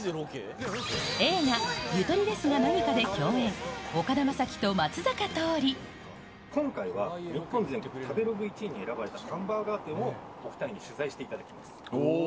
映画、ゆとりですがなにかで今回は、日本全国食べログ１位に選ばれた、ハンバーガー店をお２人に取材していただきます。